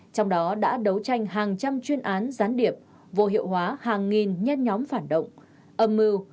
trong đó đã đấu tranh hàng trăm chuyên án gián điệp vô hiệu hóa hàng nghìn nhen nhóm phản động âm mưu